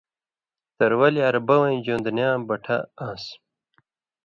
ترولیۡ عربہ وَیں ژؤن٘دُناں بٹھہ آن٘س۔